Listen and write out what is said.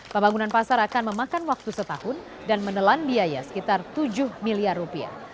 pembangunan pasar akan memakan waktu setahun dan menelan biaya sekitar tujuh miliar rupiah